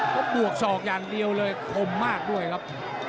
เขาบวกศอกอย่างเดียวเลยคมมากด้วยครับ